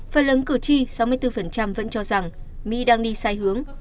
phần lớn cử tri sáu mươi bốn vẫn cho rằng mỹ đang đi sai hướng